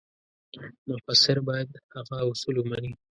مفسر باید هغه اصول ومني.